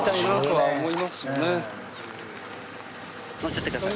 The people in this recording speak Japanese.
はい。